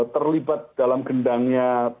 terlibat dalam gendangnya